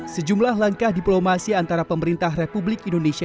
sejumlah langkah diplomasi antara pemerintah republik indonesia